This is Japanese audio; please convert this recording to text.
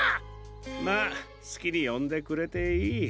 まあすきによんでくれていい。